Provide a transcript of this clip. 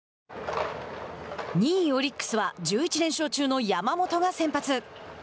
２位オリックスは１１連勝中の山本が先発。